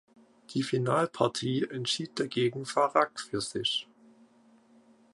Die Finalpartie entschied dagegen Farag für sich.